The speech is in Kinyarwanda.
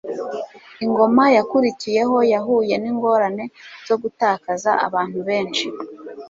Ingoma yakurikiyeho yahuye n'ingorane zo gutakaza abantu benshi